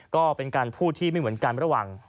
ก็เป็นการพูดที่ไม่เหมือนกันระหว่าง